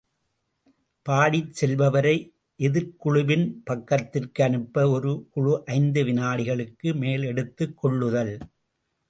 பாடிச் செல்பவரை எதிர்க்குழுவின் பக்கத்திற்கு அனுப்ப, ஒரு குழு ஐந்து வினாடிகளுக்கு மேல் எடுத்துக் கொள்ளுதல்.